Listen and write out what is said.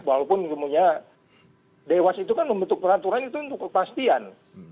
walaupun misalnya dewas itu kan membentuk peraturan itu untuk kepastian